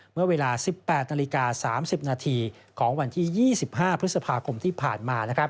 เมื่อเวลา๑๘นาฬิกา๓๐นาทีของวันที่๒๕พฤษภาคมที่ผ่านมา